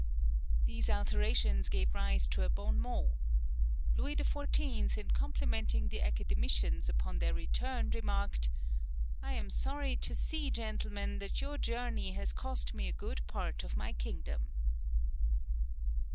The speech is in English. These alterations gave rise to a "bon mot." Louis the XIV., in complimenting the Academicians upon their return, remarked, "I am sorry to see, gentlemen, that your journey has cost me a good part of my kingdom!"